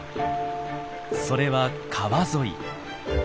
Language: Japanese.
それは川沿い。